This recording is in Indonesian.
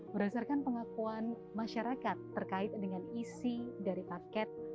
berdasarkan pengakuan masyarakat terkait dengan isi dari paket